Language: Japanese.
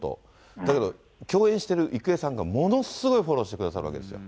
だけど共演してる郁恵さんがものすごいフォローしてくださるわけですよ。